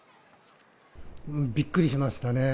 びっくりしましたね。